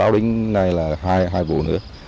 đến nay là hai vụ nữa